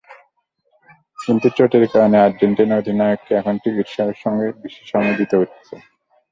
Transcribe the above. কিন্তু চোটের কারণে আর্জেন্টিনা অধিনায়ককে এখন চিকিৎসকের সঙ্গে বেশি সময় দিতে হচ্ছে।